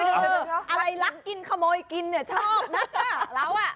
อะไรรักกินขโมยกินเนี่ยชอบนะ